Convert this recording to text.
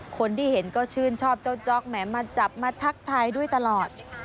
คนที่เห็นก็ชื่นชอบเจ้าจ๊อกแหมมาจับมาทักทายด้วยตลอด